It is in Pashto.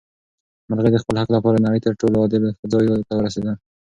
مرغۍ د خپل حق لپاره د نړۍ تر ټولو عادل ځای ته ورسېده.